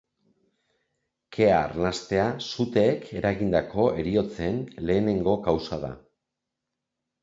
Kea-arnastea suteek eragindako heriotzen lehenengo kausa da.